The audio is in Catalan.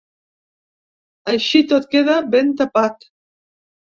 Així tot queda ben tapat.